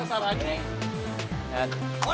gak ada apa apa